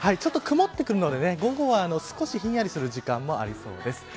ちょっと曇ってくるので午後はひんやりする時間もありそうです。